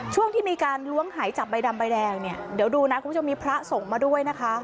ช่วงที่มีการล้วงหายจับใบดำใบแดงเนี่ยเดี๋ยวดูนะคุณผู้ชมมีพระส่งมาด้วยนะคะ